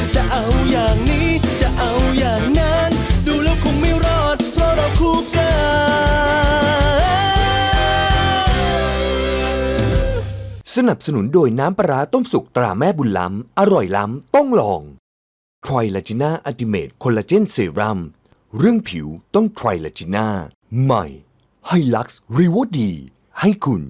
จะเอาอย่างนี้จะเอาอย่างนั้นดูแล้วคงไม่รอดเพราะเราคู่กัน